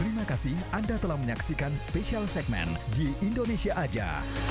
terima kasih anda telah menyaksikan special segmen di indonesia aja